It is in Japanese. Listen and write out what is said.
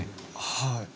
はい。